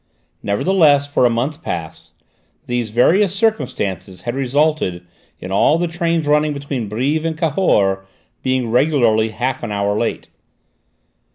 Nevertheless, for a month past, these various circumstances had resulted in all the trains running between Brives and Cahors, being regularly half an hour late.